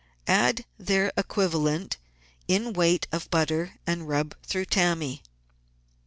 Add their equivalent in weight of butter and rub through tammy.